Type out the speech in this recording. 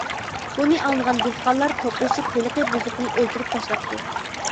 بۇنى ئاڭلىغان دېھقانلار توپلىشىپ ھېلىقى بۇزۇقنى ئۆلتۈرۈپ تاشلاپتۇ.